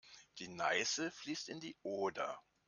Die Neiße fließt in die Oder.